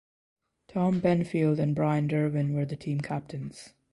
Tom Benfield and Brian Derwin were the team captains.